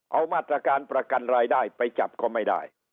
เอามาตรการประกันรายได้ไปจับก็ไม่ได้